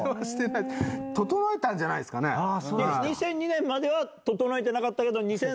２００２年までは整えてなかったけど２００３年。